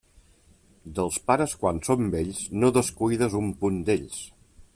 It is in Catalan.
Dels pares quan són vells, no descuides un punt d'ells.